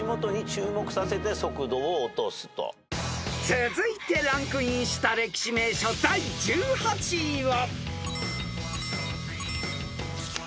［続いてランクインした歴史名所第１８位は］